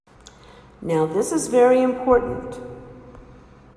Now this is very important.